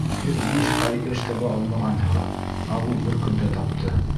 Һеҙ биш ай эш таба алмағанһығыҙ, ә ул бер көндә тапты.